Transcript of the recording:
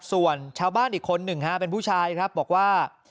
ส่วนชาวบ้านอีกคนหนึ่งเป็นผู้ชายครับบอกว่า